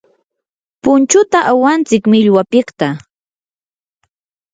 punchuta awantsik millwapiqta.